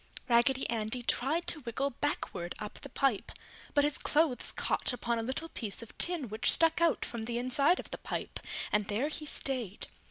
Raggedy Andy tried to wiggle backward up the pipe, but his clothes caught upon a little piece of tin which stuck out from the inside of the pipe and there he stayed.